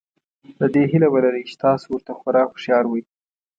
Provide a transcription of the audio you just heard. د دې هیله ولرئ چې تاسو ورته خورا هوښیار وئ.